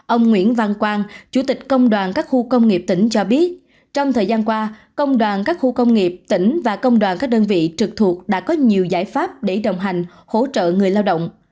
ông nguyễn văn quang chủ tịch công đoàn các khu công nghiệp tỉnh cho biết trong thời gian qua công đoàn các khu công nghiệp tỉnh và công đoàn các đơn vị trực thuộc đã có nhiều giải pháp để đồng hành hỗ trợ người lao động